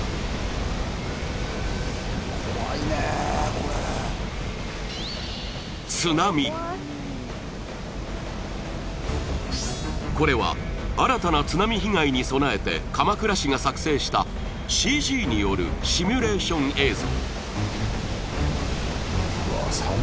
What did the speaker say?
ここをこれは新たな津波被害に備えて鎌倉市が作成したＣＧによるシミュレーション映像